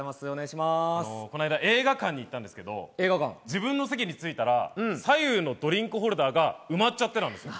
こないだ映画館に行ったんですけど、自分の席に着いたら、左右のドリンクホルダーが埋まっちゃってたんです。